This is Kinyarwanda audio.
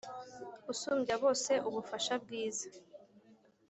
usumbya bose ubufasha bwiza